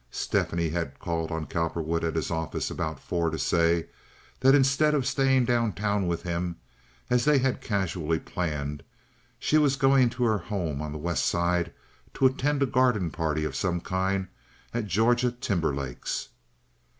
Stephanie had called on Cowperwood at his office about four to say that instead of staying down town with him, as they had casually planned, she was going to her home on the West Side to attend a garden party of some kind at Georgia Timberlake's.